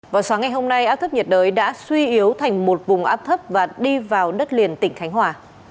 vào sáng ngày hôm nay áp thấp nhiệt đới đã suy yếu thành một vùng áp thấp và đi vào đất liền tỉnh khánh hòa